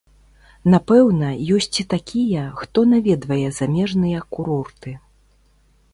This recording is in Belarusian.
Напэўна, ёсць і такія, хто наведвае замежныя курорты.